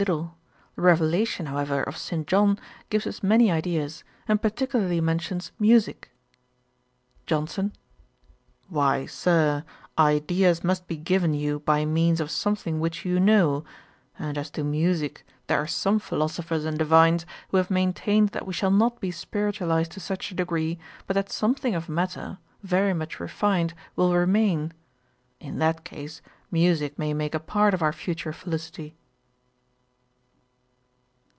The Revelation, however, of St. John gives us many ideas, and particularly mentions musick.' JOHNSON. 'Why, Sir, ideas must be given you by means of something which you know: and as to musick there are some philosophers and divines who have maintained that we shall not be spiritualized to such a degree, but that something of matter, very much refined, will remain. In that case, musick may make a part of our future felicity.'